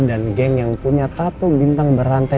dan geng yang punya tattoo bintang berantai